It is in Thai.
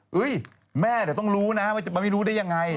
เฮ้ยแม่เดี๋ยวต้องรู้นะมันไม่รู้ได้ยังไง